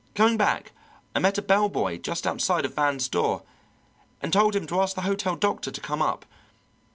Coming back, I met a bell boy just outside of Van's door, and told him to ask the hotel doctor to come up.